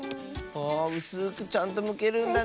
あうすくちゃんとむけるんだね。